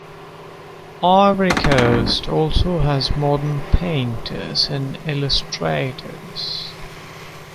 Ivory Coast also has modern painters and illustrators.